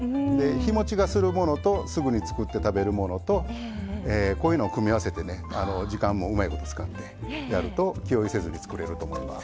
日もちがするものとすぐに作って食べるものとこういうのを組み合わせて時間もうまいこと使って気負いせずに作れると思います。